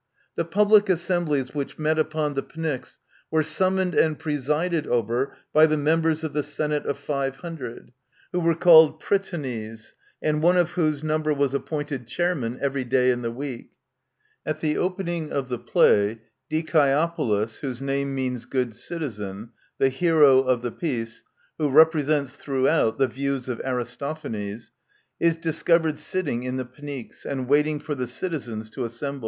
The public assemblies which met upon the Pnyx were sum moned and presided over by the members of the Senate of Five Hundred, who were called Prytanies, and one of whose number was appointed chairman every day in the week. At the opening of the play Dicjeopoh's {whose name means " good citizen "), the hero of the piece, who represents throughout the views of Aristophanes, is discovered sitting in the Pnyx, and waiting for the citizens to assemble.